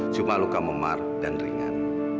cuma luka memar dan ringan